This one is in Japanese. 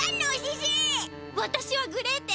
わたしはグレーテ！